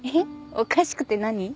おかしくて何？